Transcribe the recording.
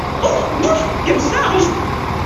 Ouf ! bouf ! quelle charge !